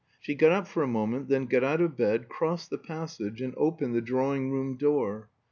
She sat up for a moment, then got out of bed, crossed the passage, and opened the drawing room door.